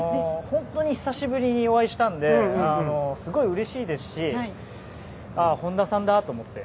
本当に久しぶりにお会いしたのですごいうれしいですしああ、本田さんだと思って。